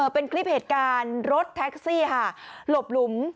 เป็นคลิปเหตุการณ์รถแท็กซี่ค่ะหลบหลุม